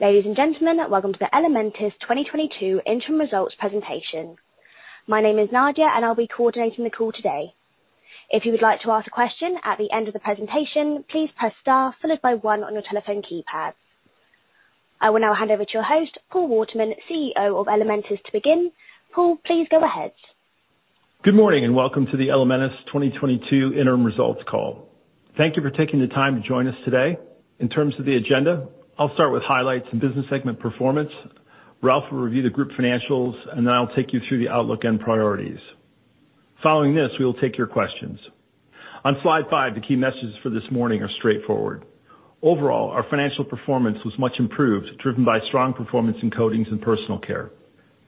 Ladies and gentlemen, welcome to the Elementis 2022 interim results presentation. My name is Nadia, and I'll be coordinating the call today. If you would like to ask a question at the end of the presentation, please press star followed by 1 on your telephone keypad. I will now hand over to your host, Paul Waterman, CEO of Elementis, to begin. Paul, please go ahead. Good morning and welcome to the Elementis 2022 interim results call. Thank you for taking the time to join us today. In terms of the agenda, I'll start with highlights and business segment performance. Ralph will review the group financials, and then I'll take you through the outlook and priorities. Following this, we will take your questions. On slide five, the key messages for this morning are straightforward. Overall, our financial performance was much improved, driven by strong performance in Coatings and Personal Care.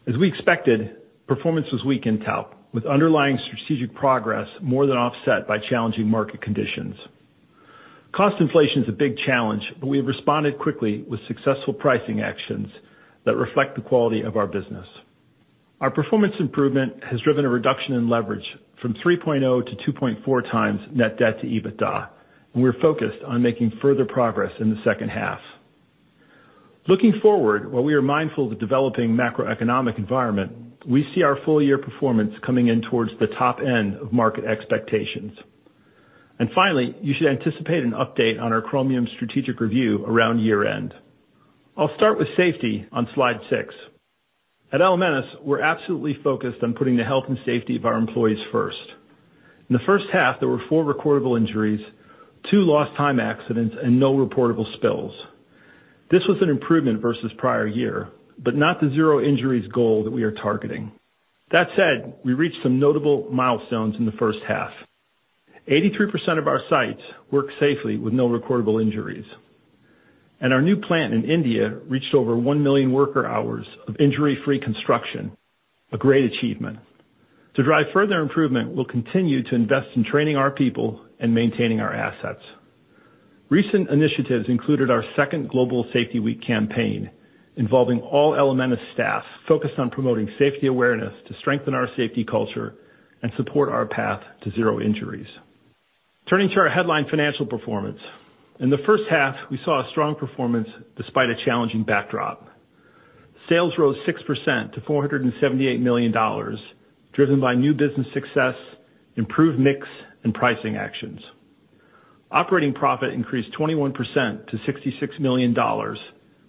As we expected, performance was weak in Talc, with underlying strategic progress more than offset by challenging market conditions. Cost inflation is a big challenge, but we have responded quickly with successful pricing actions that reflect the quality of our business. Our performance improvement has driven a reduction in leverage from 3.0x to 2.4x net debt to EBITDA, and we're focused on making further progress in the second half. Looking forward, while we are mindful of the developing macroeconomic environment, we see our full year performance coming in towards the top end of market expectations. Finally, you should anticipate an update on our Chromium strategic review around year-end. I'll start with safety on slide six. At Elementis, we're absolutely focused on putting the health and safety of our employees first. In the first half, there were four recordable injuries, two lost time accidents, and no reportable spills. This was an improvement versus prior year, but not the zero injuries goal that we are targeting. That said, we reached some notable milestones in the first half. 83% of our sites work safely with no recordable injuries, and our new plant in India reached over 1 million worker hours of injury-free construction, a great achievement. To drive further improvement, we'll continue to invest in training our people and maintaining our assets. Recent initiatives included our second Global Safety Week campaign involving all Elementis staff, focused on promoting safety awareness to strengthen our safety culture and support our path to zero injuries. Turning to our headline financial performance. In the first half, we saw a strong performance despite a challenging backdrop. Sales rose 6% to $478 million, driven by new business success, improved mix, and pricing actions. Operating profit increased 21% to $66 million,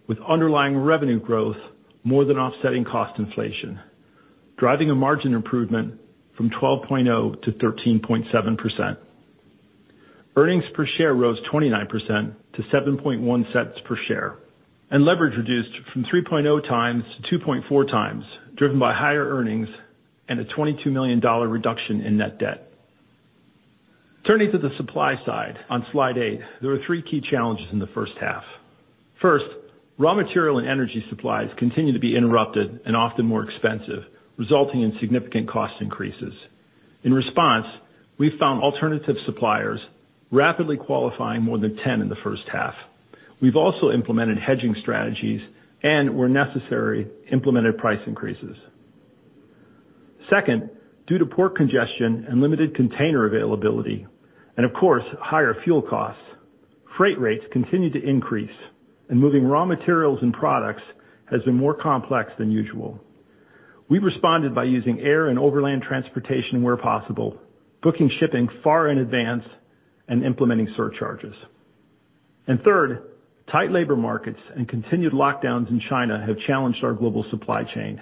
with underlying revenue growth more than offsetting cost inflation, driving a margin improvement from 12.0% to 13.7%. Earnings per share rose 29% to $0.071 per share. Leverage reduced from 3.0x to 2.4x, driven by higher earnings and a $22 million reduction in net debt. Turning to the supply side on slide eight, there are three key challenges in the first half. First, raw material and energy supplies continue to be interrupted and often more expensive, resulting in significant cost increases. In response, we found alternative suppliers rapidly qualifying more than 10 in the first half. We've also implemented hedging strategies and, where necessary, implemented price increases. Second, due to port congestion and limited container availability, and of course, higher fuel costs, freight rates continue to increase, and moving raw materials and products has been more complex than usual. We responded by using air and overland transportation where possible, booking shipping far in advance, and implementing surcharges. Third, tight labor markets and continued lockdowns in China have challenged our global supply chain.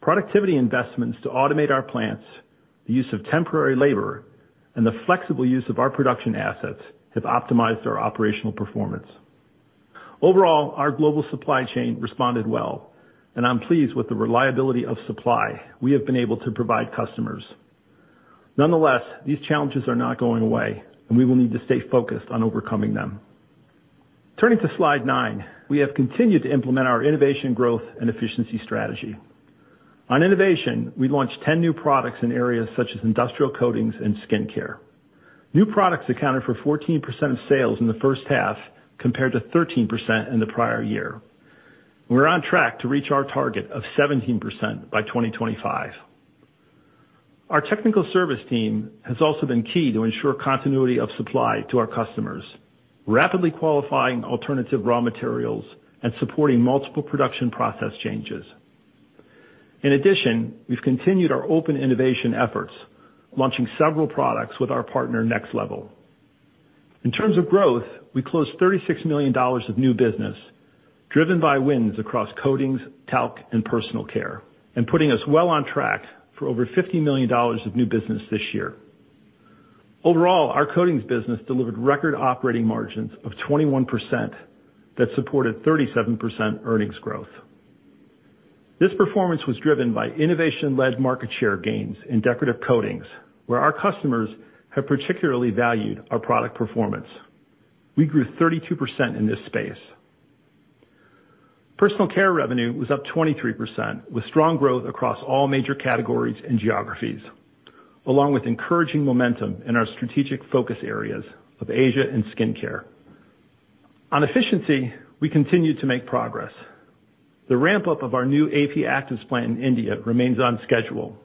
Productivity investments to automate our plants, the use of temporary labor, and the flexible use of our production assets have optimized our operational performance. Overall, our global supply chain responded well, and I'm pleased with the reliability of supply we have been able to provide customers. Nonetheless, these challenges are not going away, and we will need to stay focused on overcoming them. Turning to slide nine. We have continued to implement our innovation, growth, and efficiency strategy. On innovation, we launched 10 new products in areas such as Industrial Coatings and skincare. New products accounted for 14% of sales in the first half, compared to 13% in the prior year. We're on track to reach our target of 17% by 2025. Our technical service team has also been key to ensure continuity of supply to our customers, rapidly qualifying alternative raw materials and supporting multiple production process changes. In addition, we've continued our open innovation efforts, launching several products with our partner, Next Level. In terms of growth, we closed $36 million of new business driven by wins across Coatings, Talc, and Personal Care, and putting us well on track for over $50 million of new business this year. Overall, our Coatings business delivered record operating margins of 21% that supported 37% earnings growth. This performance was driven by innovation-led market share gains in Decorative Coatings, where our customers have particularly valued our product performance. We grew 32% in this space. Personal care revenue was up 23%, with strong growth across all major categories and geographies, along with encouraging momentum in our strategic focus areas of Asia and skincare. On efficiency, we continued to make progress. The ramp-up of our new AP Actives plant in India remains on schedule.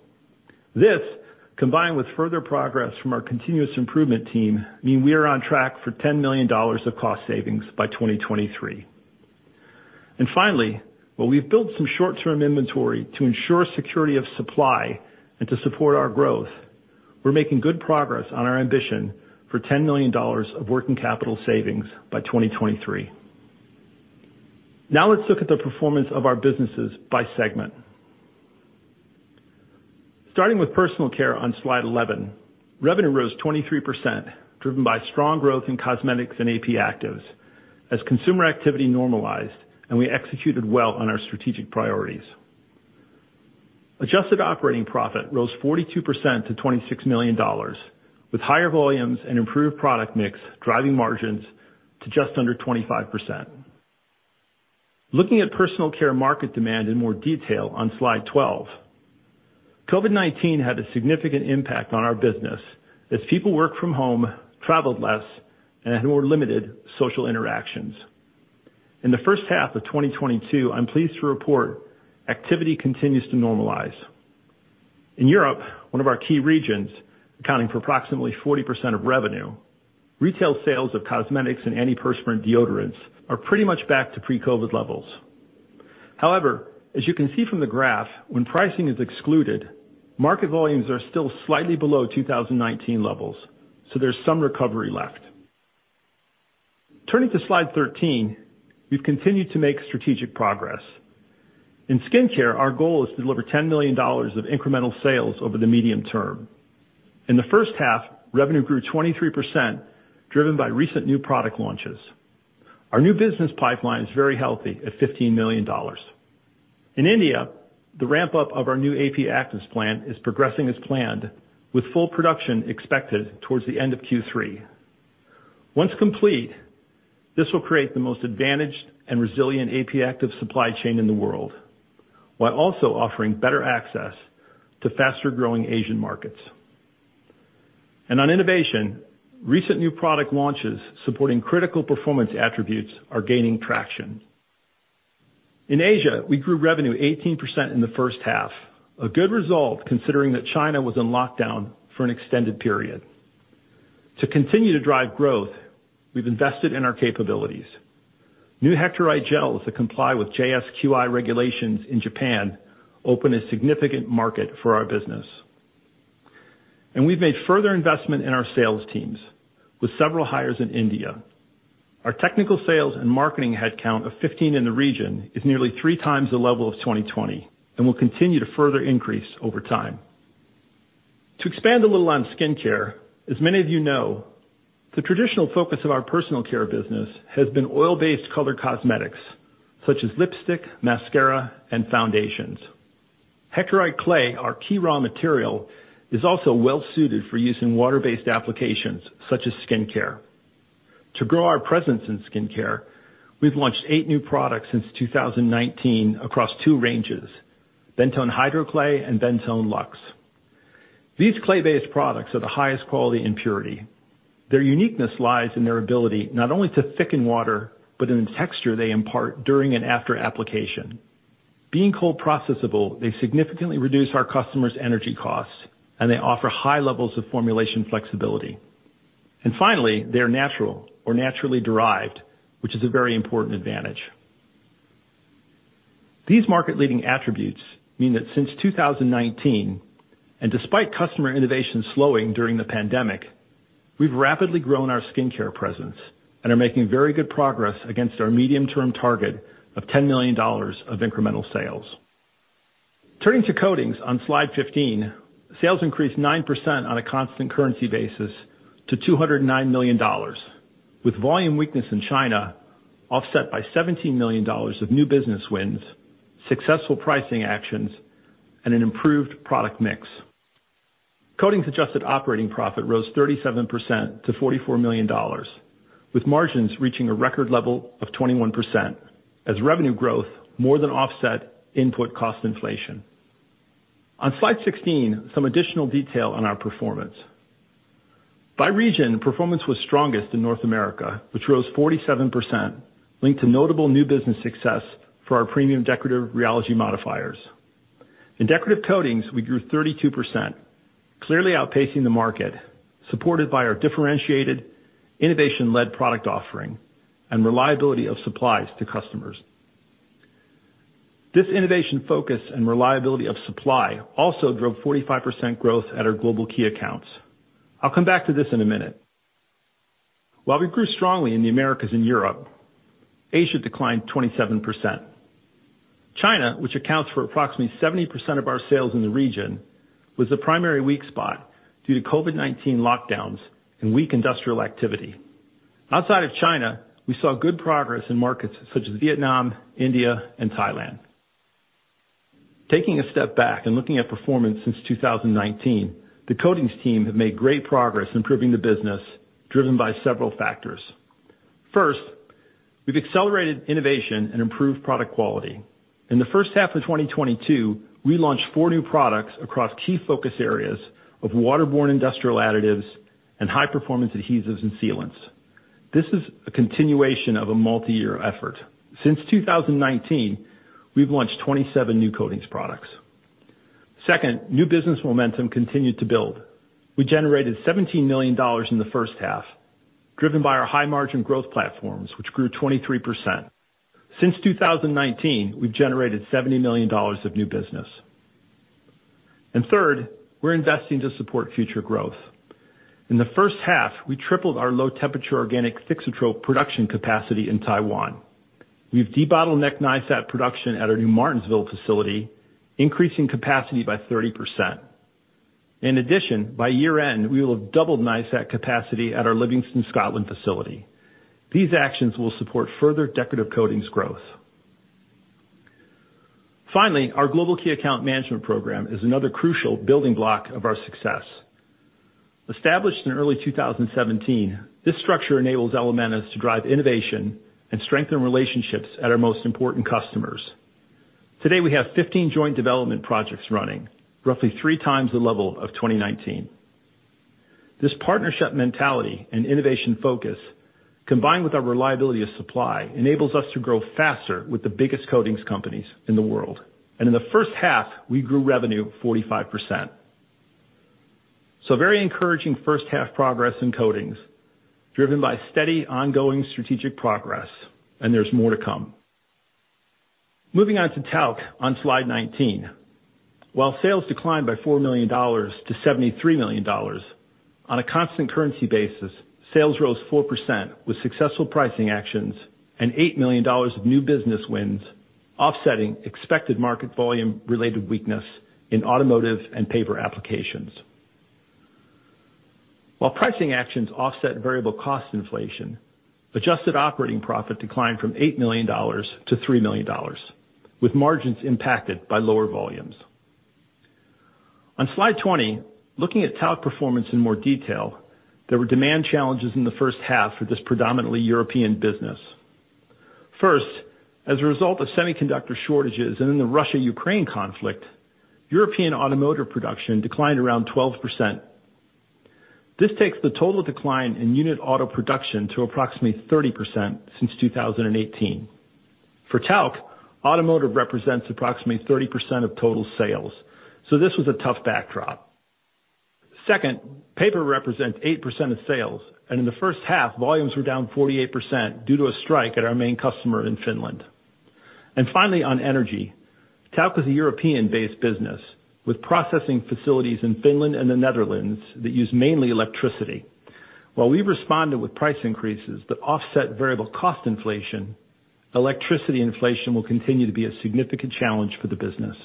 This, combined with further progress from our continuous improvement team, mean we are on track for $10 million of cost savings by 2023. Finally, while we've built some short-term inventory to ensure security of supply and to support our growth, we're making good progress on our ambition for $10 million of working capital savings by 2023. Now let's look at the performance of our businesses by segment. Starting with Personal Care on slide 11, revenue rose 23%, driven by strong growth in Cosmetics and AP Actives as consumer activity normalized and we executed well on our strategic priorities. Adjusted operating profit rose 42% to $26 million, with higher volumes and improved product mix driving margins to just under 25%. Looking at Personal Care market demand in more detail on slide 12. COVID-19 had a significant impact on our business as people work from home, traveled less, and had more limited social interactions. In the first half of 2022, I'm pleased to report activity continues to normalize. In Europe, one of our key regions, accounting for approximately 40% of revenue, retail sales of Cosmetics and antiperspirant deodorants are pretty much back to pre-COVID levels. However, as you can see from the graph, when pricing is excluded, market volumes are still slightly below 2019 levels, so there's some recovery left. Turning to slide 13, we've continued to make strategic progress. In skincare, our goal is to deliver $10 million of incremental sales over the medium term. In the first half, revenue grew 23%, driven by recent new product launches. Our new business pipeline is very healthy at $15 million. In India, the ramp-up of our new AP Actives plant is progressing as planned, with full production expected towards the end of Q3. Once complete, this will create the most advantaged and resilient AP Actives supply chain in the world, while also offering better access to faster-growing Asian markets. On innovation, recent new product launches supporting critical performance attributes are gaining traction. In Asia, we grew revenue 18% in the first half, a good result considering that China was in lockdown for an extended period. To continue to drive growth, we've invested in our capabilities. New hectorite gels that comply with JSQI regulations in Japan open a significant market for our business. We've made further investment in our sales teams with several hires in India. Our technical sales and marketing headcount of 15 in the region is nearly 3x the level of 2020 and will continue to further increase over time. To expand a little on skincare, as many of you know, the traditional focus of our Personal Care business has been oil-based Colour Cosmetics, such as lipstick, mascara, and foundations. Hectorite clay, our key raw material, is also well suited for use in water-based applications such as skincare. To grow our presence in skincare, we've launched eight new products since 2019 across two ranges, BENTONE HYDROCLAY and BENTONE LUXE. These clay-based products are the highest quality and purity. Their uniqueness lies in their ability not only to thicken water, but in the texture they impart during and after application. Being cold processable, they significantly reduce our customers' energy costs, and they offer high levels of formulation flexibility. Finally, they are natural or naturally derived, which is a very important advantage. These market-leading attributes mean that since 2019, and despite customer innovation slowing during the pandemic, we've rapidly grown our skincare presence and are making very good progress against our medium-term target of $10 million of incremental sales. Turning to Coatings on slide 15, sales increased 9% on a constant currency basis to $209 million, with volume weakness in China offset by $17 million of new business wins, successful pricing actions, and an improved product mix. Coatings adjusted operating profit rose 37% to $44 million, with margins reaching a record level of 21% as revenue growth more than offset input cost inflation. On slide 16, some additional detail on our performance. By region, performance was strongest in North America, which rose 47%, linked to notable new business success for our premium decorative rheology modifiers. In Decorative Coatings, we grew 32%, clearly outpacing the market, supported by our differentiated innovation-led product offering and reliability of supplies to customers. This innovation focus and reliability of supply also drove 45% growth at our global key accounts. I'll come back to this in a minute. While we grew strongly in the Americas and Europe, Asia declined 27%. China, which accounts for approximately 70% of our sales in the region, was the primary weak spot due to COVID-19 lockdowns and weak industrial activity. Outside of China, we saw good progress in markets such as Vietnam, India, and Thailand. Taking a step back and looking at performance since 2019, the Coatings team have made great progress improving the business, driven by several factors. First, we've accelerated innovation and improved product quality. In the first half of 2022, we launched four new products across key focus areas of waterborne industrial additives and high-performance adhesives and sealants. This is a continuation of a multi-year effort. Since 2019, we've launched 27 new Coatings products. Second, new business momentum continued to build. We generated $17 million in the first half, driven by our high margin growth platforms, which grew 23%. Since 2019, we've generated $70 million of new business. Third, we're investing to support future growth. In the first half, we tripled our low temperature organic THIXATROL production capacity in Taiwan. We've debottlenecked NiSAT production at our new Martinsville facility, increasing capacity by 30%. In addition, by year-end, we will have doubled NiSAT capacity at our Livingston, Scotland facility. These actions will support further Decorative Coatings growth. Finally, our global key account management program is another crucial building block of our success. Established in early 2017, this structure enables Elementis to drive innovation and strengthen relationships at our most important customers. Today, we have 15 joint development projects running, roughly 3x the level of 2019. This partnership mentality and innovation focus, combined with our reliability of supply, enables us to grow faster with the biggest coatings companies in the world. In the first half, we grew revenue 45%. Very encouraging first half progress in Coatings, driven by steady ongoing strategic progress, and there's more to come. Moving on to Talc on slide 19. While sales declined by $4 million to $73 million, on a constant currency basis, sales rose 4% with successful pricing actions and $8 million of new business wins, offsetting expected market volume related weakness in automotive and paper applications. While pricing actions offset variable cost inflation, adjusted operating profit declined from $8 million to $3 million, with margins impacted by lower volumes. On slide 20, looking at Talc performance in more detail, there were demand challenges in the first half for this predominantly European business. First, as a result of semiconductor shortages and in the Russia-Ukraine conflict, European automotive production declined around 12%. This takes the total decline in unit auto production to approximately 30% since 2018. For Talc, automotive represents approximately 30% of total sales, so this was a tough backdrop. Second, paper represents 8% of sales, and in the first half, volumes were down 48% due to a strike at our main customer in Finland. Finally, on energy. Talc is a European-based business with processing facilities in Finland and the Netherlands that use mainly electricity. While we've responded with price increases that offset variable cost inflation, electricity inflation will continue to be a significant challenge for the business.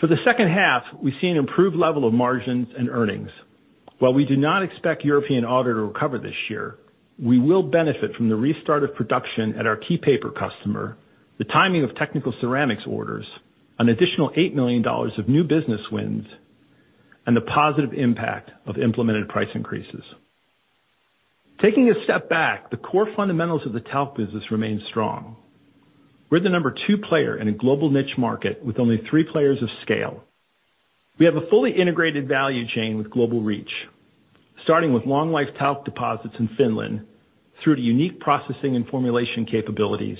For the second half, we see an improved level of margins and earnings. While we do not expect European auto to recover this year, we will benefit from the restart of production at our key paper customer, the timing of technical ceramics orders, an additional $8 million of new business wins, and the positive impact of implemented price increases. Taking a step back, the core fundamentals of the Talc business remain strong. We're the number two player in a global niche market with only three players of scale. We have a fully integrated value chain with global reach, starting with long life Talc deposits in Finland through to unique processing and formulation capabilities,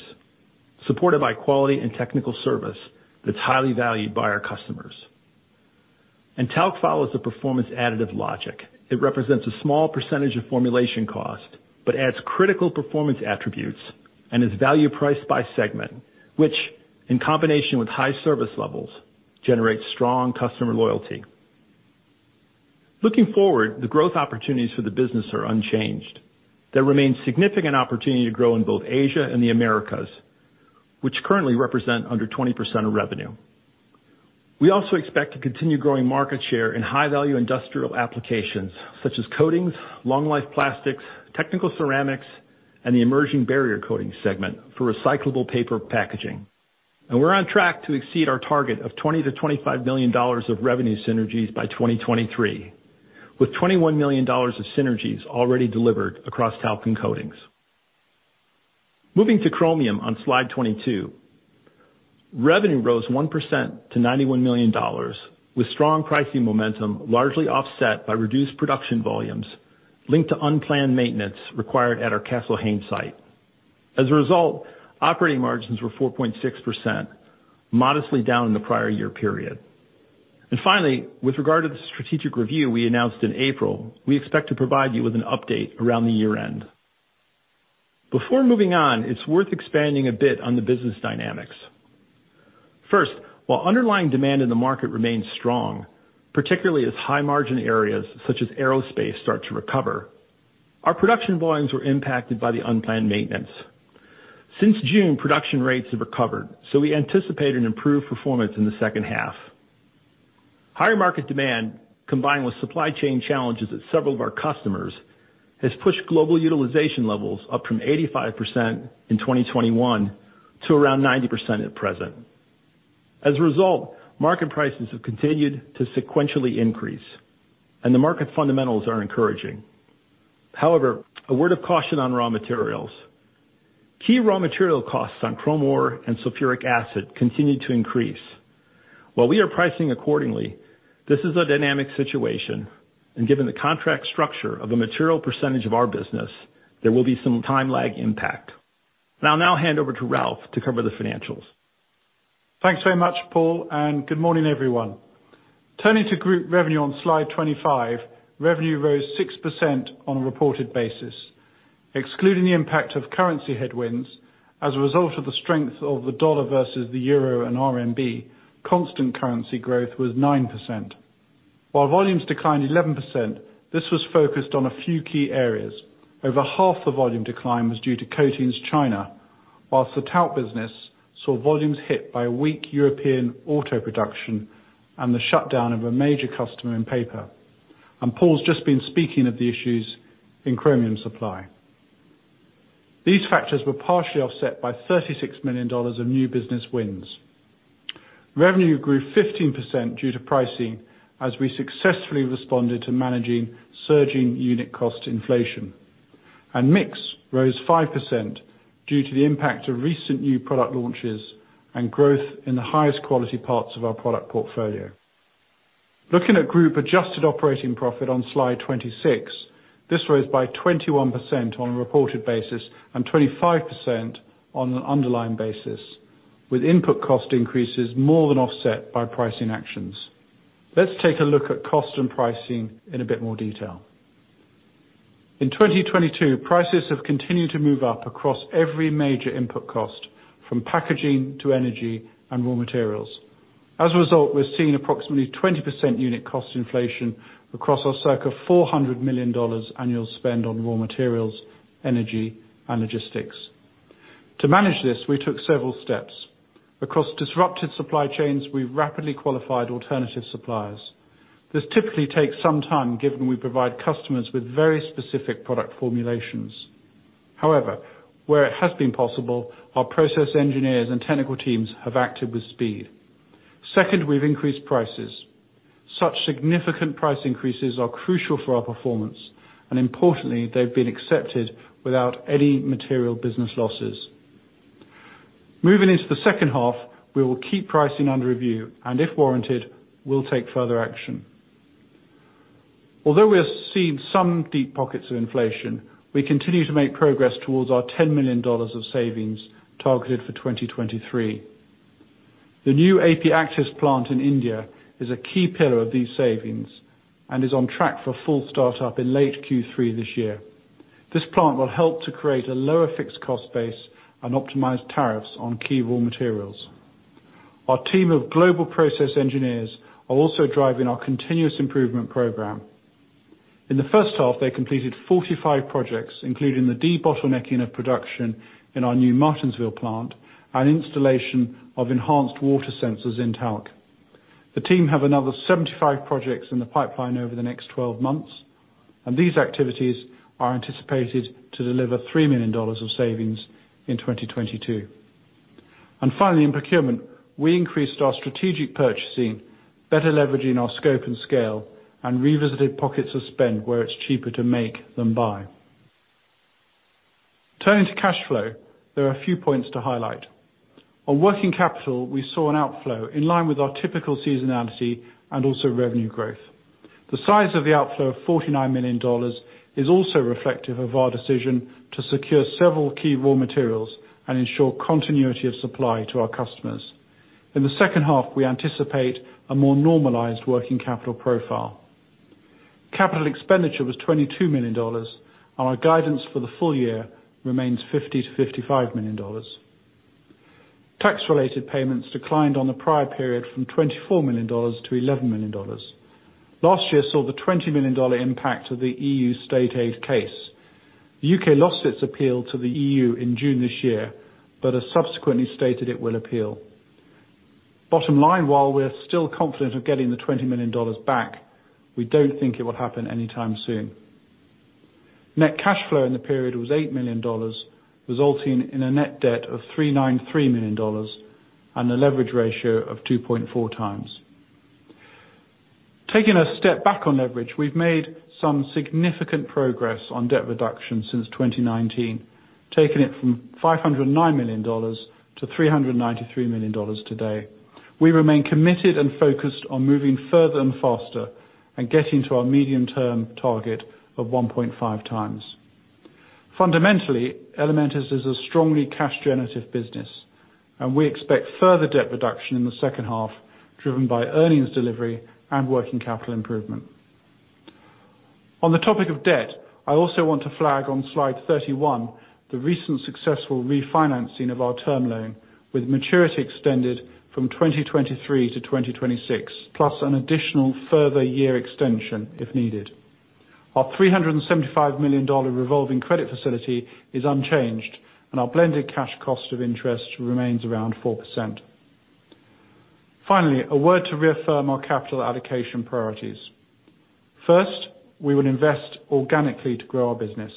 supported by quality and technical service that's highly valued by our customers. Talc follows the performance additive logic. It represents a small percentage of formulation cost, but adds critical performance attributes and is value priced by segment, which in combination with high service levels, generates strong customer loyalty. Looking forward, the growth opportunities for the business are unchanged. There remains significant opportunity to grow in both Asia and the Americas, which currently represent under 20% of revenue. We also expect to continue growing market share in high-value industrial applications such as Coatings, long life plastics, technical ceramics, and the emerging barrier coatings segment for recyclable paper packaging. We're on track to exceed our target of $20 million-$25 million of revenue synergies by 2023, with $21 million of synergies already delivered across Talc and Coatings. Moving to Chromium on slide 22. Revenue rose 1% to $91 million, with strong pricing momentum largely offset by reduced production volumes linked to unplanned maintenance required at our Castle Hayne site. As a result, operating margins were 4.6%, modestly down in the prior year period. Finally, with regard to the strategic review we announced in April, we expect to provide you with an update around the year-end. Before moving on, it's worth expanding a bit on the business dynamics. First, while underlying demand in the market remains strong, particularly as high margin areas such as aerospace start to recover, our production volumes were impacted by the unplanned maintenance. Since June, production rates have recovered, so we anticipate an improved performance in the second half. Higher market demand, combined with supply chain challenges at several of our customers, has pushed global utilization levels up from 85% in 2021 to around 90% at present. As a result, market prices have continued to sequentially increase and the market fundamentals are encouraging. However, a word of caution on raw materials. Key raw material costs on chrome ore and sulfuric acid continued to increase. While we are pricing accordingly, this is a dynamic situation, and given the contract structure of a material percentage of our business, there will be some time lag impact. I'll now hand over to Ralph to cover the financials. Thanks very much, Paul, and good morning, everyone. Turning to group revenue on slide 25, revenue rose 6% on a reported basis. Excluding the impact of currency headwinds as a result of the strength of the dollar versus the euro and RMB, constant currency growth was 9%. While volumes declined 11%, this was focused on a few key areas. Over half the volume decline was due to Coatings China, while the Talc business saw volumes hit by weak European auto production and the shutdown of a major customer in paper. Paul's just been speaking of the issues in Chromium supply. These factors were partially offset by $36 million of new business wins. Revenue grew 15% due to pricing, as we successfully responded to managing surging unit cost inflation. Mix rose 5% due to the impact of recent new product launches and growth in the highest quality parts of our product portfolio. Looking at group adjusted operating profit on slide 26, this rose by 21% on a reported basis and 25% on an underlying basis, with input cost increases more than offset by pricing actions. Let's take a look at cost and pricing in a bit more detail. In 2022, prices have continued to move up across every major input cost, from packaging to energy and raw materials. As a result, we're seeing approximately 20% unit cost inflation across our circa $400 million annual spend on raw materials, energy, and logistics. To manage this, we took several steps. Across disrupted supply chains, we rapidly qualified alternative suppliers. This typically takes some time, given we provide customers with very specific product formulations. However, where it has been possible, our process engineers and technical teams have acted with speed. Second, we've increased prices. Such significant price increases are crucial for our performance, and importantly, they've been accepted without any material business losses. Moving into the second half, we will keep pricing under review, and if warranted, we'll take further action. Although we are seeing some deep pockets of inflation, we continue to make progress towards our $10 million of savings targeted for 2023. The new AP Actives plant in India is a key pillar of these savings and is on track for full start up in late Q3 this year. This plant will help to create a lower fixed cost base and optimized tariffs on key raw materials. Our team of global process engineers are also driving our continuous improvement program. In the first half, they completed 45 projects, including the debottlenecking of production in our new Martinsville plant and installation of enhanced water sensors in Talc. The team have another 75 projects in the pipeline over the next 12 months, and these activities are anticipated to deliver $3 million of savings in 2022. Finally, in Procurement, we increased our strategic purchasing, better leveraging our scope and scale, and revisited pockets of spend where it's cheaper to make than buy. Turning to cash flow, there are a few points to highlight. On working capital, we saw an outflow in line with our typical seasonality and also revenue growth. The size of the outflow of $49 million is also reflective of our decision to secure several key raw materials and ensure continuity of supply to our customers. In the second half, we anticipate a more normalized working capital profile. Capital expenditure was $22 million, and our guidance for the full year remains $50 million-$55 million. Tax-related payments declined on the prior period from $24 million to $11 million. Last year saw the $20 million impact of the EU state aid case. U.K. lost its appeal to the EU in June this year, but has subsequently stated it will appeal. Bottom line, while we're still confident of getting the $20 million back, we don't think it will happen anytime soon. Net cash flow in the period was $8 million, resulting in a net debt of $393 million and a leverage ratio of 2.4x. Taking a step back on leverage, we've made some significant progress on debt reduction since 2019, taking it from $509 million to $393 million today. We remain committed and focused on moving further and faster and getting to our medium-term target of 1.5x. Fundamentally, Elementis is a strongly cash generative business, and we expect further debt reduction in the second half, driven by earnings delivery and working capital improvement. On the topic of debt, I also want to flag on slide 31 the recent successful refinancing of our term loan, with maturity extended from 2023 to 2026, plus an additional further year extension if needed. Our $375 million revolving credit facility is unchanged, and our blended cash cost of interest remains around 4%. Finally, a word to reaffirm our capital allocation priorities. First, we will invest organically to grow our business.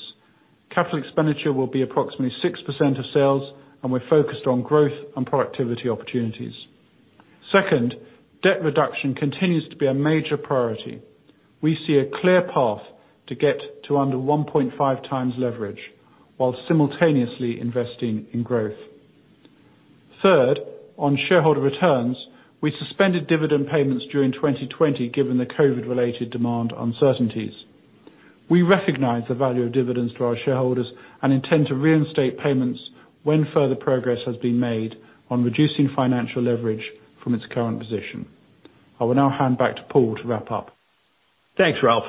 Capital expenditure will be approximately 6% of sales, and we're focused on growth and productivity opportunities. Second, debt reduction continues to be a major priority. We see a clear path to get to under 1.5x leverage while simultaneously investing in growth. Third, on shareholder returns, we suspended dividend payments during 2020, given the COVID related demand uncertainties. We recognize the value of dividends to our shareholders and intend to reinstate payments when further progress has been made on reducing financial leverage from its current position. I will now hand back to Paul to wrap up. Thanks, Ralph.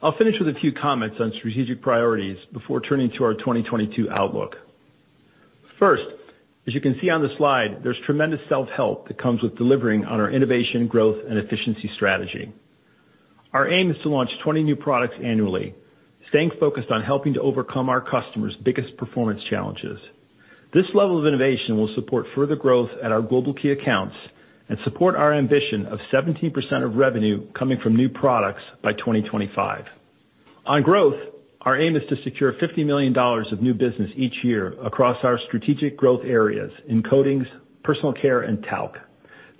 I'll finish with a few comments on strategic priorities before turning to our 2022 outlook. First, as you can see on the slide, there's tremendous self-help that comes with delivering on our innovation, growth, and efficiency strategy. Our aim is to launch 20 new products annually, staying focused on helping to overcome our customers biggest performance challenges. This level of innovation will support further growth at our global key accounts and support our ambition of 17% of revenue coming from new products by 2025. On growth, our aim is to secure $50 million of new business each year across our strategic growth areas in Coatings, Personal Care, and Talc.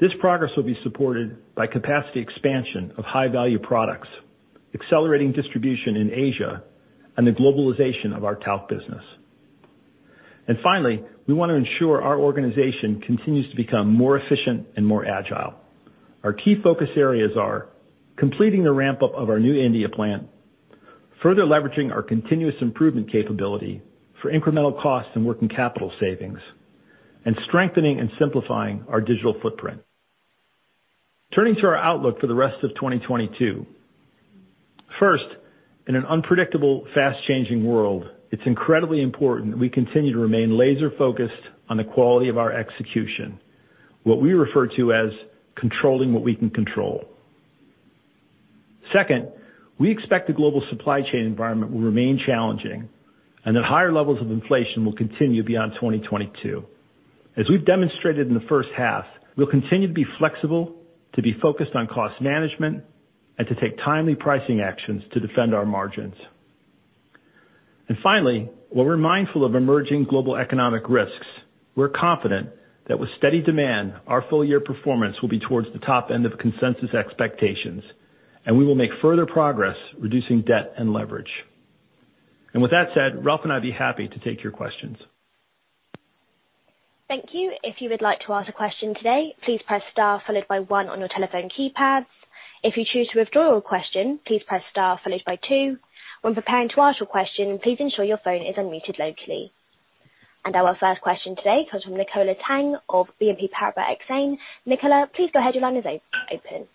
This progress will be supported by capacity expansion of high value products, accelerating distribution in Asia, and the globalization of our Talc business. Finally, we want to ensure our organization continues to become more efficient and more agile. Our key focus areas are completing the ramp up of our new India plant, further leveraging our continuous improvement capability for incremental costs and working capital savings, and strengthening and simplifying our digital footprint. Turning to our outlook for the rest of 2022. First, in an unpredictable, fast changing world, it's incredibly important that we continue to remain laser focused on the quality of our execution. What we refer to as controlling what we can control. Second, we expect the global supply chain environment will remain challenging and that higher levels of inflation will continue beyond 2022. As we've demonstrated in the first half, we'll continue to be flexible, to be focused on cost management, and to take timely pricing actions to defend our margins. Finally, while we're mindful of emerging global economic risks, we're confident that with steady demand, our full year performance will be towards the top end of consensus expectations, and we will make further progress reducing debt and leverage. With that said, Ralph and I'd be happy to take your questions. Thank you. If you would like to ask a question today, please press star followed by one on your telephone keypad. If you choose to withdraw your question, please press star followed by two. When preparing to ask your question, please ensure your phone is unmuted locally. Our first question today comes from Nicola Tang of BNP Paribas Exane. Nicola, please go ahead. Your line is open.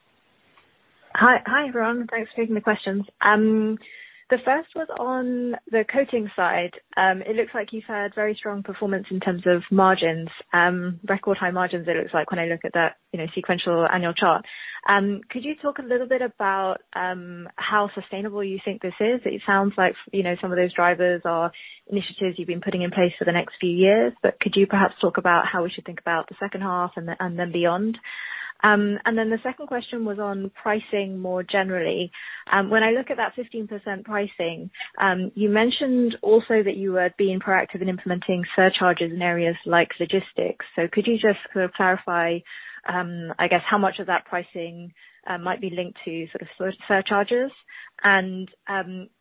Hi. Hi, everyone. Thanks for taking the questions. The first was on the Coating side. It looks like you've had very strong performance in terms of margins, record high margins, it looks like when I look at that, you know, sequential annual chart. Could you talk a little bit about how sustainable you think this is? It sounds like, you know, some of those drivers are initiatives you've been putting in place for the next few years. But could you perhaps talk about how we should think about the second half and then beyond? The second question was on pricing more generally. When I look at that 15% pricing, you mentioned also that you were being proactive in implementing surcharges in areas like logistics. Could you just sort of clarify, I guess, how much of that pricing might be linked to sort of surcharges?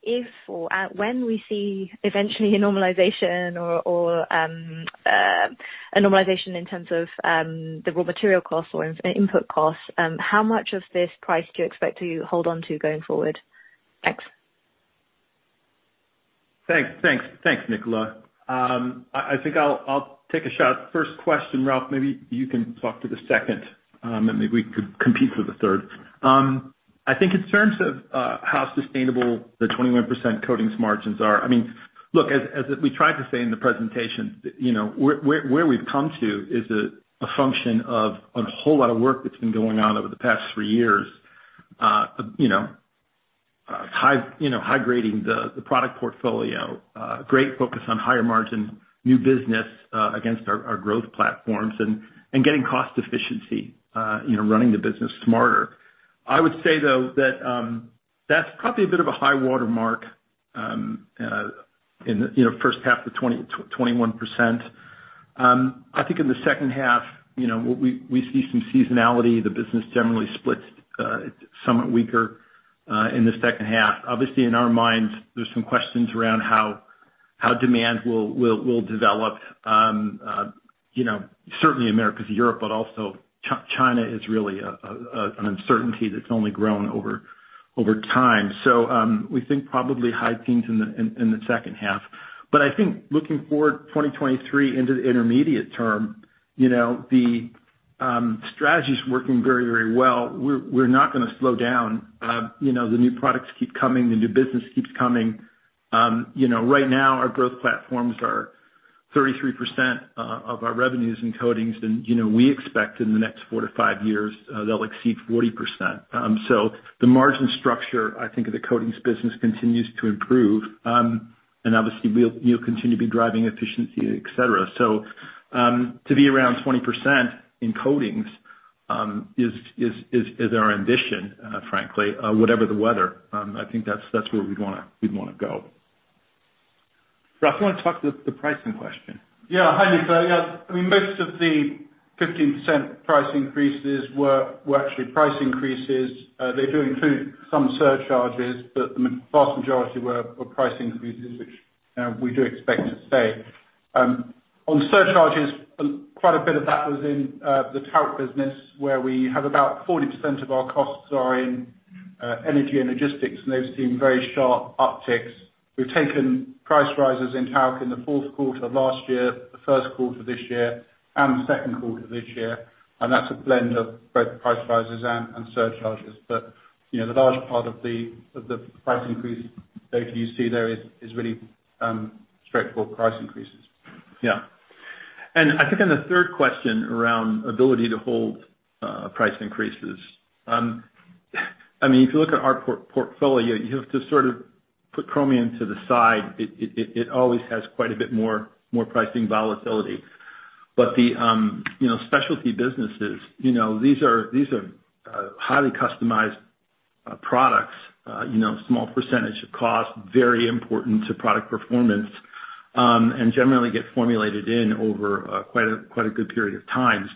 If, or when we see eventually a normalization in terms of the raw material costs or input costs, how much of this price do you expect to hold on to going forward? Thanks. Thanks, Nicola. I think I'll take a shot at first question, Ralph, maybe you can talk to the second, and maybe we could compete for the third. I think in terms of how sustainable the 21% Coatings margins are, I mean, look, as we tried to say in the presentation, you know, where we've come to is a function of a whole lot of work that's been going on over the past three years. You know, high grading the product portfolio, great focus on higher margin new business, against our growth platforms and getting cost efficiency, you know, running the business smarter. I would say though that that's probably a bit of a high watermark in the first half of 21%. I think in the second half, you know, we see some seasonality. The business generally splits somewhat weaker in the second half. Obviously, in our minds, there's some questions around how demand will develop, you know, certainly Americas and Europe, but also China is really an uncertainty that's only grown over time. We think probably high teens% in the second half. I think looking forward 2023 into the intermediate term, you know, the strategy's working very well. We're not gonna slow down. You know, the new products keep coming, the new business keeps coming. You know, right now our growth platforms are 33% of our revenues in Coatings and, you know, we expect in the next 4-5 years, they'll exceed 40%. The margin structure, I think of the Coatings business continues to improve. Obviously we'll, you'll continue to be driving efficiency, et cetera. To be around 20% in Coatings is our ambition, frankly, whatever the weather, I think that's where we'd wanna go. Ralph, you want to talk the pricing question? Hi, Nicola. I mean, most of the 15% price increases were actually price increases. They do include some surcharges, but the vast majority were price increases, which we do expect to stay. On surcharges, quite a bit of that was in the Talc business, where we have about 40% of our costs are in energy and logistics, and they've seen very sharp upticks. We've taken price rises in Talc in the fourth quarter of last year, the first quarter this year and the second quarter this year. That's a blend of both price rises and surcharges. You know, the large part of the price increase data you see there is really straightforward price increases. Yeah. I think on the third question around ability to hold price increases. I mean, if you look at our portfolio, you have to sort of put Chromium to the side. It always has quite a bit more pricing volatility. But the specialty businesses, you know, these are highly customized products. You know, small percentage of cost, very important to product performance, and generally get formulated in over quite a good period of time.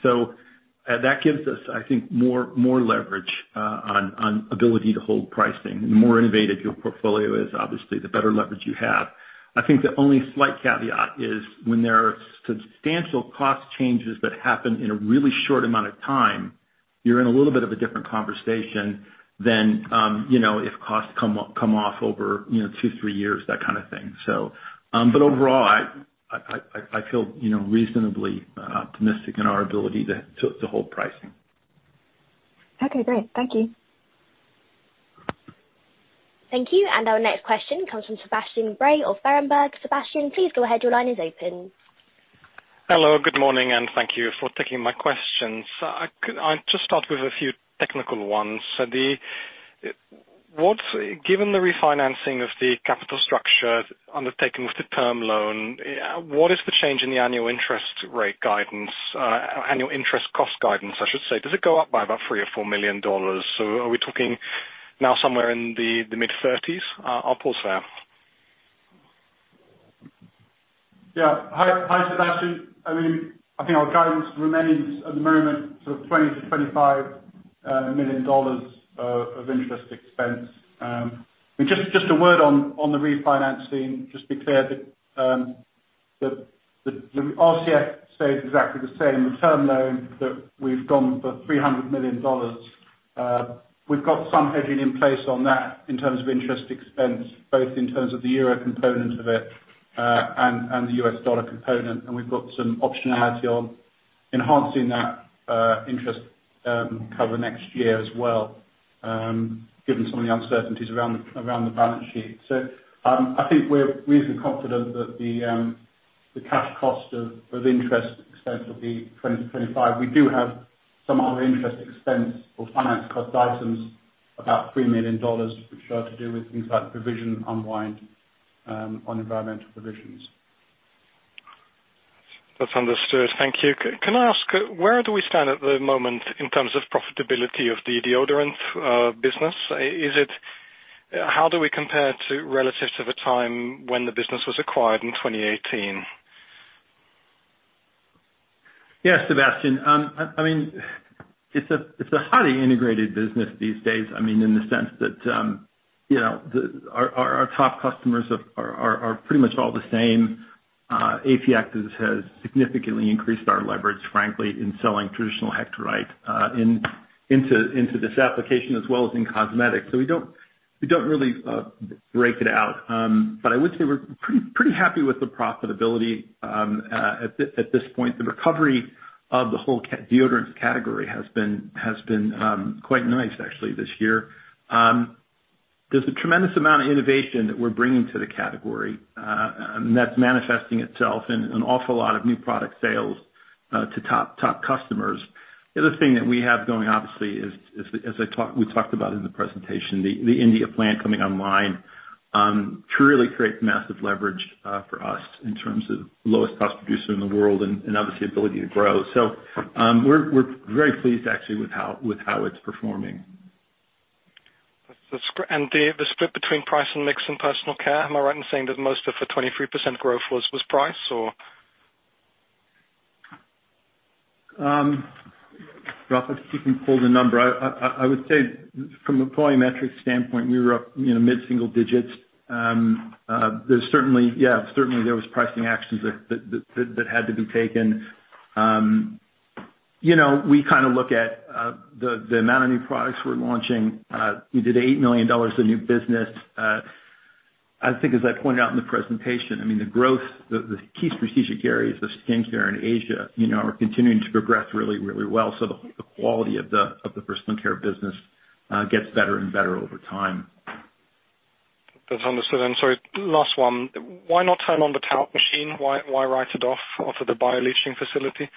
That gives us, I think, more leverage on ability to hold pricing. The more innovative your portfolio is, obviously the better leverage you have. I think the only slight caveat is when there are substantial cost changes that happen in a really short amount of time, you're in a little bit of a different conversation than, you know, if costs come off over, you know, 2, 3 years, that kind of thing, so. Overall, I feel, you know, reasonably optimistic in our ability to hold pricing. Okay, great. Thank you. Thank you. Our next question comes from Sebastian Bray of Berenberg. Sebastian, please go ahead. Your line is open. Hello, good morning, and thank you for taking my questions. Could I just start with a few technical ones? Given the refinancing of the capital structure undertaken with the term loan, what is the change in the annual interest rate guidance, annual interest cost guidance, I should say? Does it go up by about $3 million-$4 million? Are we talking now somewhere in the mid thirties? I'll pause there. Yeah. Hi, Sebastian. I mean, I think our guidance remains at the moment sort of $20 million-$25 million of interest expense. But just a word on the refinancing. Just to be clear that the RCF stays exactly the same. The term loan that we've gone for $300 million, we've got some hedging in place on that in terms of interest expense, both in terms of the euro component of it and the US dollar component. We've got some optionality on enhancing that interest cover next year as well, given some of the uncertainties around the balance sheet. I think we're reasonably confident that the cash cost of interest expense will be $20-$25. We do have some other interest expense or finance cost items, about $3 million, which are to do with things like provision unwind on environmental provisions. That's understood. Thank you. Can I ask, where do we stand at the moment in terms of profitability of the deodorant business? How do we compare relative to the time when the business was acquired in 2018? Yeah, Sebastian. I mean, it's a highly integrated business these days. I mean, in the sense that, you know, our top customers are pretty much all the same. AP Actives has significantly increased our leverage, frankly, in selling traditional hectorite into this application as well as in Cosmetics. We don't really break it out. I would say we're pretty happy with the profitability at this point. The recovery of the whole deodorants category has been quite nice actually this year. There's a tremendous amount of innovation that we're bringing to the category, and that's manifesting itself in an awful lot of new product sales to top customers. The other thing that we have going, obviously, is as I talked, we talked about in the presentation, the India plant coming online truly creates massive leverage for us in terms of lowest cost producer in the world and obviously ability to grow. We're very pleased actually with how it's performing. That's great. The split between price and mix and Personal Care, am I right in saying that most of the 23% growth was price or? Ralph, if you can pull the number. I would say from a volumetric standpoint, we were up, you know, mid-single digits%. There certainly was pricing actions that had to be taken. You know, we kind of look at the amount of new products we're launching. We did $8 million of new business. I think as I pointed out in the presentation, I mean, the growth, the key strategic areas of skincare in Asia, you know, are continuing to progress really, really well. The quality of the Personal Care business gets better and better over time. That's understood. Sorry, last one. Why not turn on the Talc machine? Why write it off of the bioleaching facility?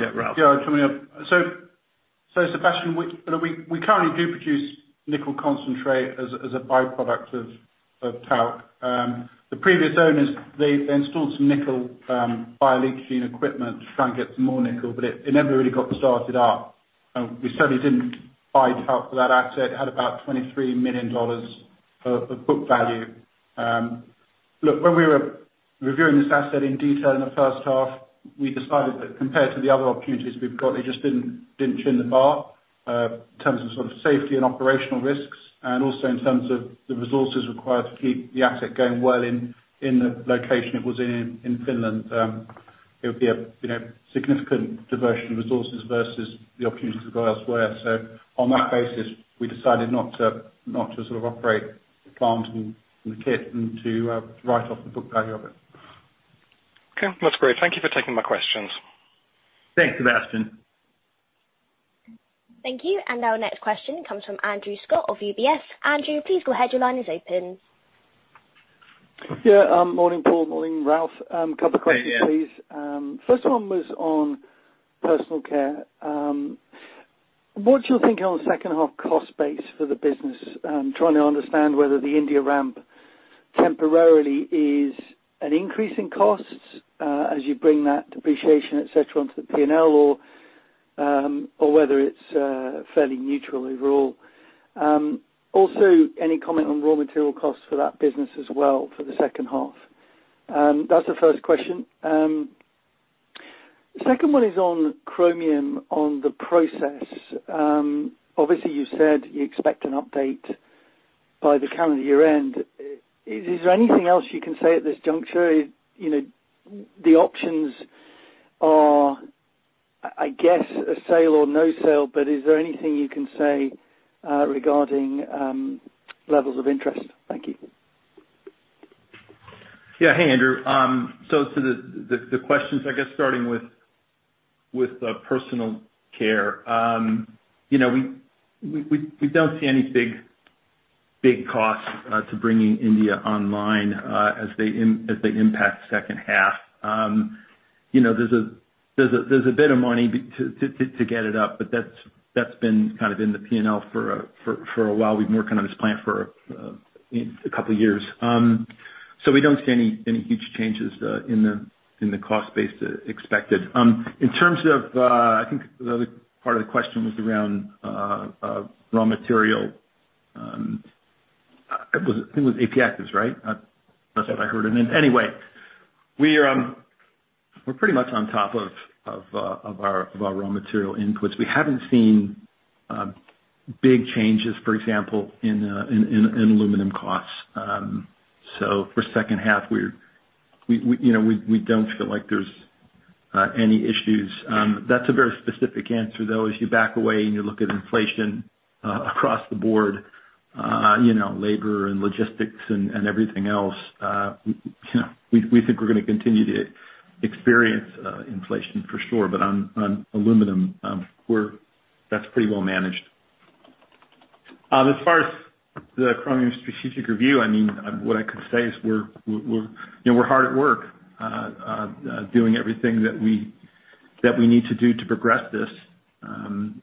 Yeah, Ralph? Yeah. Sebastian, we currently do produce nickel concentrate as a by-product of Talc. The previous owners, they installed some nickel bioleaching equipment to try and get some more nickel, but it never really got started up. We certainly didn't pay top dollar for that asset. It had about $23 million of book value. Look, when we were reviewing this asset in detail in the first half, we decided that compared to the other opportunities we've got, it just didn't clear the bar in terms of sort of safety and operational risks and also in terms of the resources required to keep the asset going well in the location it was in Finland. It would be a, you know, significant diversion of resources versus the opportunities to go elsewhere. On that basis, we decided not to sort of operate the plant and the kit and to write off the book value of it. Okay. That's great. Thank you for taking my questions. Thanks, Sebastian. Thank you. Our next question comes from Andrew Scott of UBS. Andrew, please go ahead. Your line is open. Yeah. Morning, Paul, morning, Ralph. Couple questions, please. Good morning, Andrew. First one was on Personal Care. What's your thinking on second half cost base for the business? I'm trying to understand whether the India ramp temporarily is an increase in costs, as you bring that depreciation, et cetera, onto the P&L or whether it's fairly neutral overall. Also, any comment on raw material costs for that business as well for the second half? That's the first question. Second one is on Chromium, on the process. Obviously you said you expect an update by the calendar year end. Is there anything else you can say at this juncture? You know, the options are, I guess, a sale or no sale, but is there anything you can say regarding levels of interest? Thank you. Yeah. Hey, Andrew. To the questions, I guess starting with Personal Care. You know, we don't see any big costs to bringing India online, as they impact second half. You know, there's a bit of money to get it up, but that's been kind of in the P&L for a while. We've been working on this plan for a couple years. We don't see any huge changes in the cost base expected. In terms of, I think the other part of the question was around raw material. I think it was AP Actives, right? That's what I heard, and anyway, we're pretty much on top of our raw material inputs. We haven't seen big changes, for example, in aluminum costs. You know, we don't feel like there's any issues. That's a very specific answer, though. As you back away and you look at inflation across the board, you know, labor and logistics and everything else, you know, we think we're gonna continue to experience inflation for sure. On aluminum, that's pretty well managed. As far as the Chromium strategic review, I mean, what I could say is we're, you know, we're hard at work, doing everything that we need to do to progress this,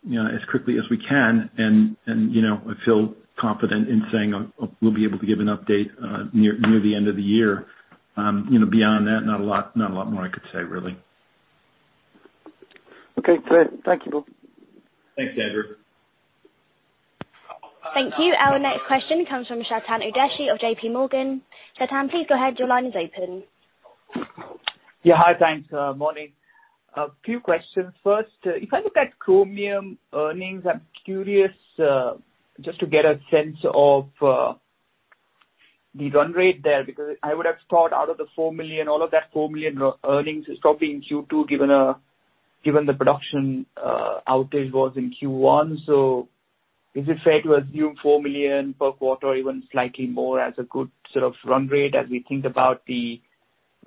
you know, as quickly as we can. You know, I feel confident in saying we'll be able to give an update, near the end of the year. You know, beyond that, not a lot more I could say really. Okay, great. Thank you, both. Thanks, Andrew. Thank you. Our next question comes from Chetan Udeshi of JPMorgan. Chetan, please go ahead. Your line is open. Yeah. Hi. Thanks. Morning. A few questions. First, if I look at Chromium earnings, I'm curious, just to get a sense of, the run rate there, because I would have thought out of the $4 million, all of that $4 million earnings starting Q2 given, the production, outage was in Q1. Is it fair to assume $4 million per quarter, even slightly more as a good sort of run rate as we think about the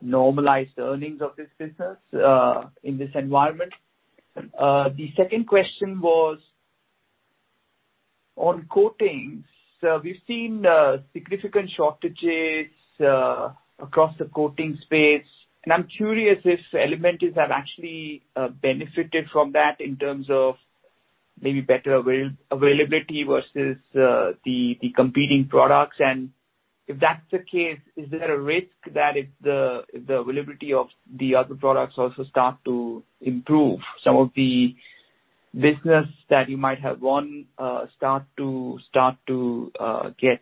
normalized earnings of this business, in this environment? The second question was on Coatings. We've seen, significant shortages, across the Coating space, and I'm curious if Elementis has actually, benefited from that in terms of maybe better availability versus, the competing products. If that's the case, is there a risk that if the availability of the other products also start to improve some of the business that you might have won start to get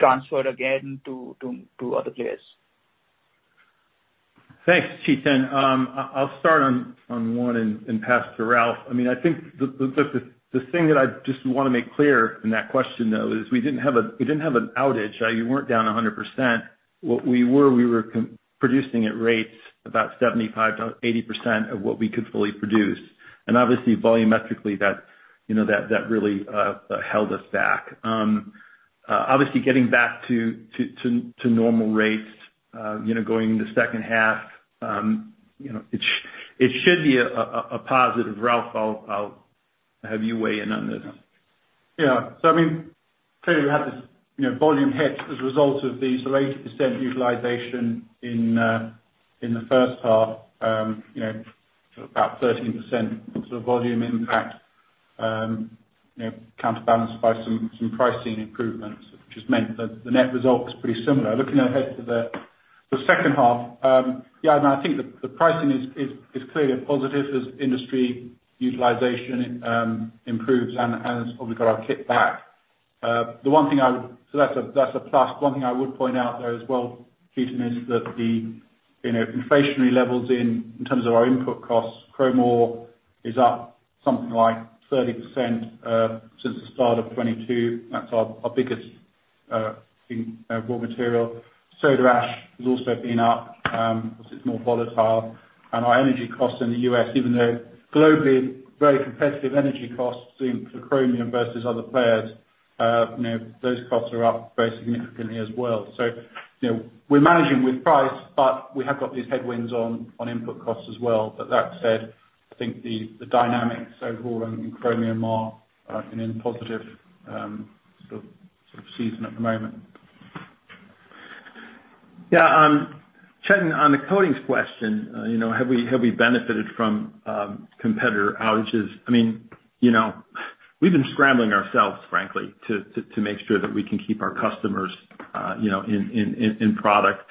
transferred again to other players? Thanks, Chetan. I'll start on one and pass to Ralph. I mean, I think the thing that I just wanna make clear in that question, though, is we didn't have an outage. You weren't down 100%. What we were producing at rates about 75%-80% of what we could fully produce. Obviously, volumetrically that really held us back. Obviously getting back to normal rates, you know, going into second half, it should be a positive. Ralph, I'll have you weigh in on this. I mean, clearly we have this, you know, volume hit as a result of the sort of 80% utilization in the first half, you know, about 13% sort of volume impact. You know, counterbalanced by some pricing improvements, which has meant that the net result is pretty similar. Looking ahead to the second half, I think the pricing is clearly a positive as industry utilization improves and has probably got a kickback. So that's a plus. One thing I would point out, though, as well, Chetan, is that you know, inflationary levels in terms of our input costs, chrome ore is up something like 30% since the start of 2022. That's our biggest raw material. Soda ash has also been up because it's more volatile. Our energy costs in the U.S., even though globally very competitive energy costs in for Chromium versus other players, you know, those costs are up very significantly as well. We're managing with price, but we have got these headwinds on input costs as well. That said, I think the dynamics overall in Chromium are in positive sort of season at the moment. Yeah. Chetan, on the Coatings question, you know, have we benefited from competitor outages? I mean, you know, we've been scrambling ourselves, frankly, to make sure that we can keep our customers, you know, in product.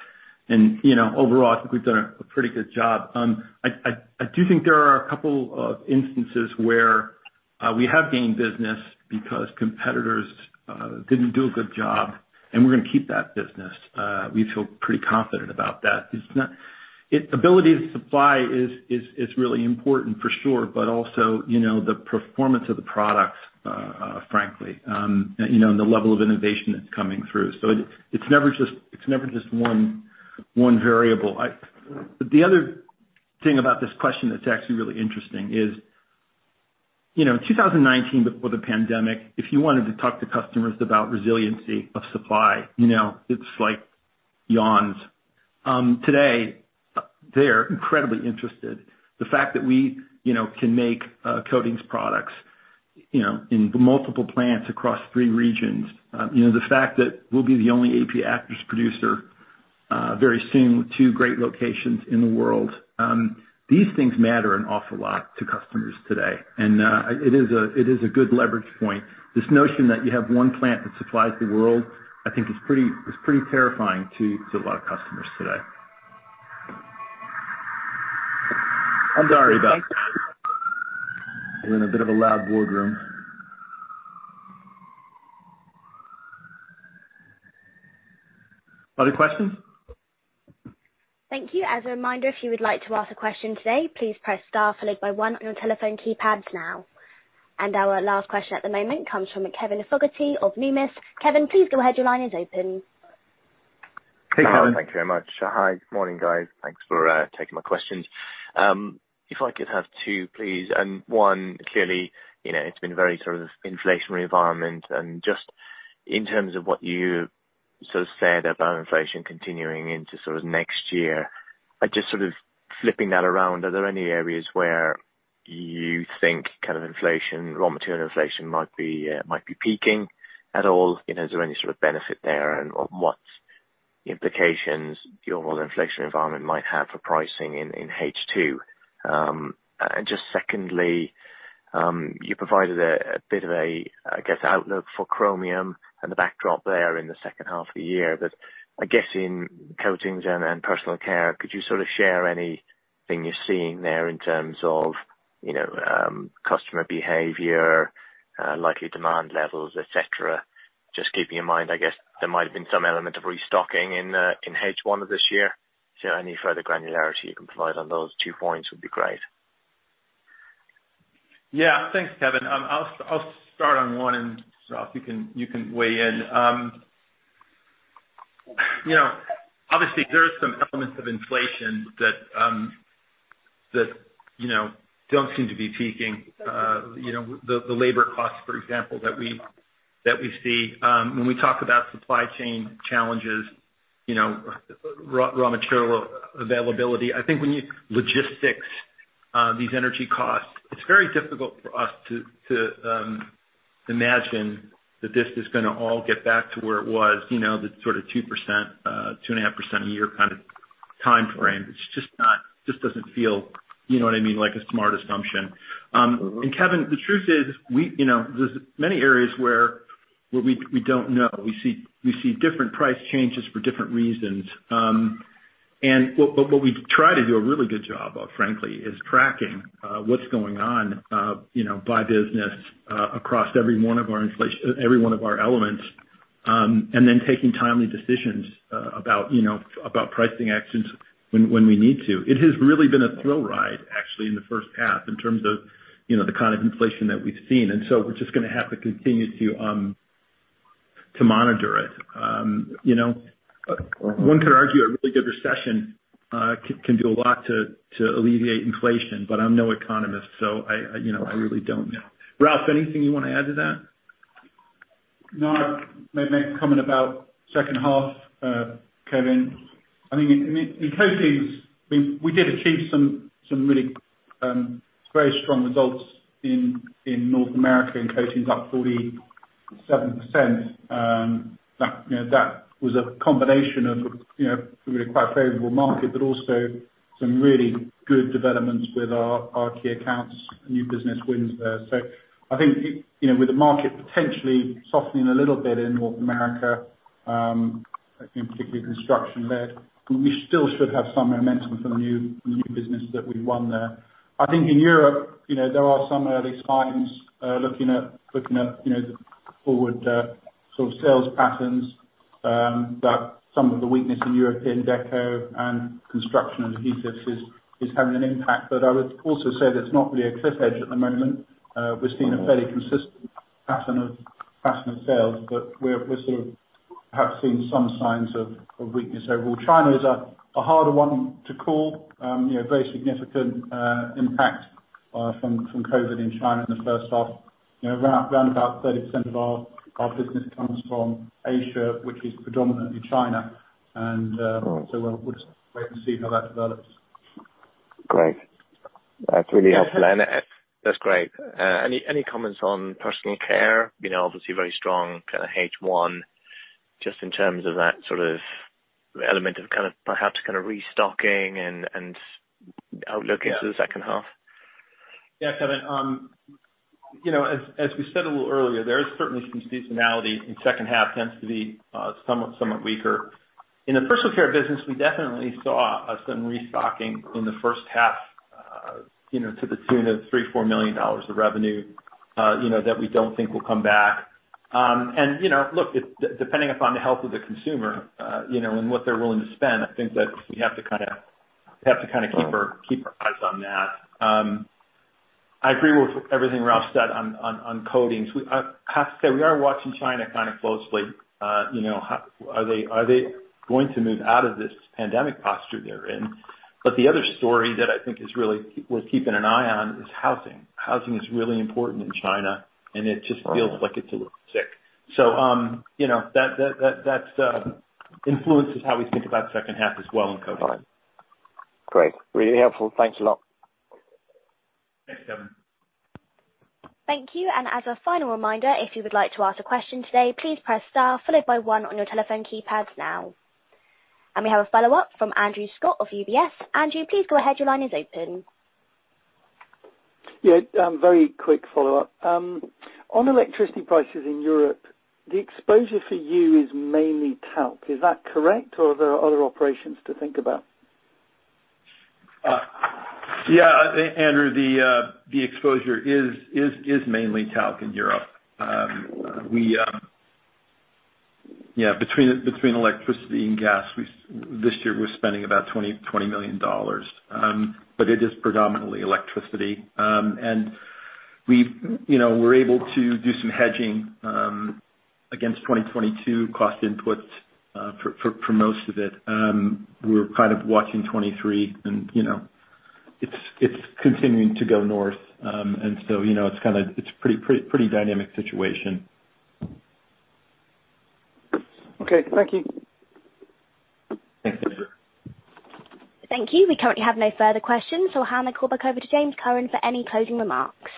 You know, overall, I think we've done a pretty good job. I do think there are a couple of instances where we have gained business because competitors didn't do a good job, and we're gonna keep that business. We feel pretty confident about that. Ability to supply is really important for sure, but also, you know, the performance of the products, frankly, you know, and the level of innovation that's coming through. It's never just one variable. The other thing about this question that's actually really interesting is, you know, in 2019, before the pandemic, if you wanted to talk to customers about resiliency of supply, you know, it's like yawns. Today, they're incredibly interested. The fact that we, you know, can make Coatings products, you know, in multiple plants across three regions. The fact that we'll be the only AP Actives producer very soon with two great locations in the world. These things matter an awful lot to customers today, and it is a good leverage point. This notion that you have one plant that supplies the world, I think is pretty terrifying to a lot of customers today. I'm sorry about that. We're in a bit of a loud board room. Other questions? Thank you. As a reminder, if you would like to ask a question today, please press star followed by one on your telephone keypads now. Our last question at the moment comes from Kevin Fogarty of Numis. Kevin, please go ahead. Your line is open. Hey, Kevin. Hi. Thank you very much. Hi. Good morning, guys. Thanks for taking my questions. If I could have two, please. One, clearly, you know, it's been a very sort of inflationary environment and just in terms of what you sort of said about inflation continuing into sort of next year, I just sort of flipping that around, are there any areas where you think kind of inflation, raw material inflation might be peaking at all? You know, is there any sort of benefit there, and what's the implications the overall inflation environment might have for pricing in H2? And just secondly, you provided a bit of a, I guess, outlook for Chromium and the backdrop there in the second half of the year. I guess in Coatings and Personal Care, could you sort of share anything you're seeing there in terms of, you know, customer behavior, likely demand levels, et cetera? Just keeping in mind, I guess, there might have been some element of restocking in H1 of this year. Is there any further granularity you can provide on those two points would be great. Yeah. Thanks, Kevin. I'll start on one and, Ralph, you can weigh in. You know, obviously there are some elements of inflation that, you know, don't seem to be peaking. You know, the labor costs, for example, that we see, when we talk about supply chain challenges, you know, raw material availability. I think when you logistics, these energy costs, it's very difficult for us to imagine that this is gonna all get back to where it was, you know, the sort of 2%, 2.5% a year kind of timeframe. It just doesn't feel, you know what I mean, like a smart assumption. Mm-hmm. Kevin, the truth is, there's many areas where we don't know. We see different price changes for different reasons. We try to do a really good job of frankly tracking what's going on, you know, by business across every one of our elements, and then taking timely decisions about, you know, about pricing actions when we need to. It has really been a thrill ride, actually, in the first half in terms of, you know, the kind of inflation that we've seen. We're just gonna have to continue to monitor it. Mm-hmm One could argue a really good recession can do a lot to alleviate inflation, but I'm no economist, so I you know, I really don't know. Ralph, anything you wanna add to that? No. I made my comment about second half, Kevin. I mean, in Coatings, we did achieve some really very strong results in North America in Coatings, up 47%. That was a combination of, you know, really quite a favorable market, but also some really good developments with our key accounts, new business wins there. I think, you know, with the market potentially softening a little bit in North America, I think particularly construction led, we still should have some momentum from the new business that we've won there. I think in Europe, you know, there are some early signs, looking at, you know, the forward sort of sales patterns, that some of the weakness in European Deco and Construction adhesives is having an impact. I would also say that it's not really a cliff edge at the moment. We've seen a fairly consistent pattern of sales, but we're sort of perhaps seeing some signs of weakness overall. China is a harder one to call. You know, very significant impact from COVID in China in the first half. You know, around about 30% of our business comes from Asia, which is predominantly China. Right We'll just wait and see how that develops. Great. That's really helpful, and that's great. Any comments on Personal Care? You know, obviously very strong kind of H1, just in terms of that sort of element of kind of perhaps kind of restocking and outlook into the second half. Yeah. Yeah, Kevin. You know, as we said a little earlier, there is certainly some seasonality, and second half tends to be somewhat weaker. In the Personal Care business, we definitely saw some restocking in the first half, you know, to the tune of $3 million-$4 million of revenue, you know, that we don't think will come back. You know, look, depending upon the health of the consumer, you know, and what they're willing to spend, I think that we have to kinda keep our eyes on that. I agree with everything Ralph said on Coatings. I have to say, we are watching China kind of closely. Are they going to move out of this pandemic posture they're in? The other story that I think is really we're keeping an eye on is housing. Housing is really important in China, and it just feels like it's a little sick. You know, that influences how we think about second half as well in COVID. Got it. Great. Really helpful. Thanks a lot. Thanks, Kevin. Thank you. As a final reminder, if you would like to ask a question today, please press star followed by one on your telephone keypads now. We have a follow-up from Andrew Scott of UBS. Andrew, please go ahead. Your line is open. Yeah, very quick follow-up. On electricity prices in Europe, the exposure for you is mainly Talc. Is that correct, or are there other operations to think about? Andrew, the exposure is mainly Talc in Europe. Between electricity and gas, this year we're spending about $20 million. It is predominantly electricity. We've, you know, we're able to do some hedging against 2022 cost inputs for most of it. We're kind of watching 2023 and, you know, it's continuing to go north. You know, it's kinda pretty dynamic situation. Okay. Thank you. Thanks, Andrew. Thank you. We currently have no further questions, so I'll hand the call back over to James Curran for any closing remarks.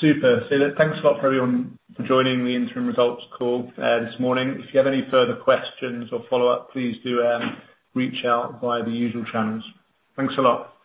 Super. Thanks a lot to everyone for joining the interim results call this morning. If you have any further questions or follow up, please do reach out via the usual channels. Thanks a lot.